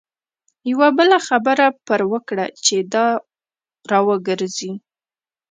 یوه بله خبره پر وکړه چې را وګرځي.